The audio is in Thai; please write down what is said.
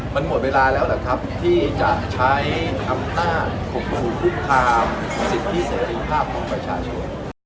มันหมดเวลาแล้วแหละครับที่จะใช้คำต้านขบคุมภูมิความสิทธิเสริมภาพของประชาชน